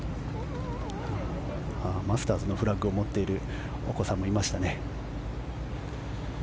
マスターズのフラッグを持っているお子さんもいましたね。